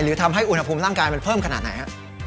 ทำให้อุณหภูมิร่างกายมันเพิ่มขนาดไหนฮะ